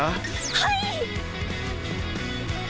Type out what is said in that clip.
はい！